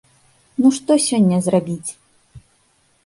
Ну што сёння зрабіць?